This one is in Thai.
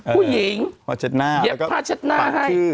ผู้หญิงเย็บผ้าเช็ดหน้าให้